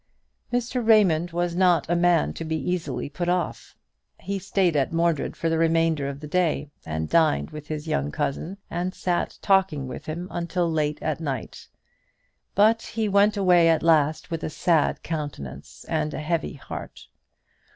Mr. Raymond was not a man to be easily put off. He stayed at Mordred for the remainder of the day and dined with his young cousin, and sat talking with him until late at night; but he went away at last with a sad countenance and a heavy heart.